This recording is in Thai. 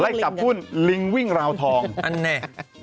จับหุ้นลิงวิ่งราวทองอันแน่